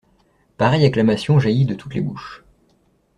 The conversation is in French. Pareille acclamation jaillit de toutes les bouches.